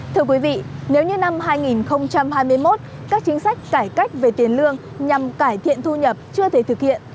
thưa quý vị nếu như năm hai nghìn hai mươi một các chính sách cải cách về tiền lương nhằm cải thiện thu nhập chưa thể thực hiện